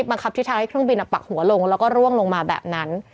บังคับที่ทำให้เครื่องบินปักหัวลงแล้วก็ร่วงลงมาแบบนั้น